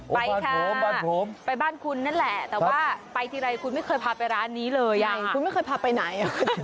ไปค่ะไปบ้านคุณนั่นแหละแต่ว่าไปทีไรคุณไม่เคยพาไปร้านนี้เลยคุณไม่เคยพาไปไหน